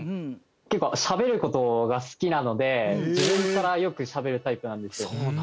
結構しゃべる事が好きなので自分からよくしゃべるタイプなんです。